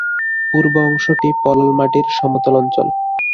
পূর্ব অংশটি পলল মাটির সমতল অঞ্চল।